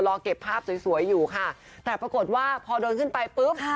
เก็บภาพสวยสวยอยู่ค่ะแต่ปรากฏว่าพอเดินขึ้นไปปุ๊บ